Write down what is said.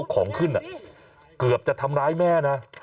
ของขึ้นเกือบจะทำร้ายแม่นะ